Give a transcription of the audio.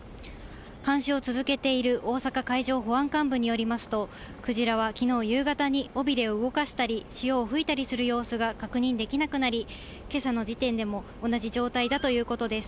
監視を続けている大阪海上保安監部によりますと、クジラはきのう夕方に、尾びれを動かしたり、潮を吹いたりする様子が確認できなくなり、けさの時点でも同じ状態だということです。